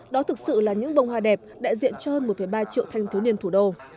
đó thực sự là những bông hoa đẹp đại diện cho hơn một ba triệu thanh thiếu niên thủ đô